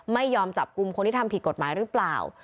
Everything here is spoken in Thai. ไม่ยอมจับกลุ่มคนที่ทำผิดกฎหมายหรือเปล่า